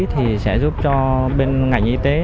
thì sẽ giúp cho bên ngành y tế